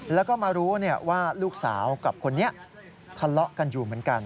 แล้วก็มารู้ว่าลูกสาวกับคนนี้ทะเลาะกันอยู่เหมือนกัน